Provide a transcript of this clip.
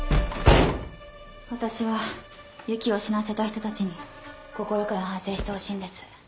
私はＹＵＫＩを死なせた人たちに心から反省してほしいんです。